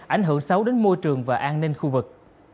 ảnh hưởng xấu đến môi trường và an ninh khu vực